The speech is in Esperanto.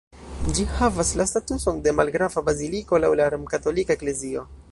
Ĝi havas la statuson de malgrava baziliko laŭ la Romkatolika Eklezio.